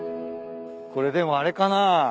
これでもあれかな？